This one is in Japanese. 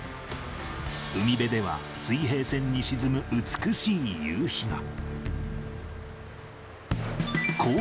海辺では、水平線に沈む美しい夕日が。